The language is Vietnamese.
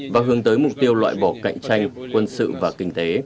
và hướng tới mục tiêu loại bỏ cạnh tranh quân sự và kinh tế